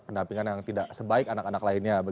pendampingan yang tidak sebaik anak anak lainnya